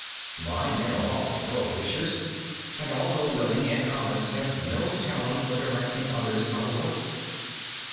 My men are all pearl fishers, and although willing and honest, have no talent for directing others how to work."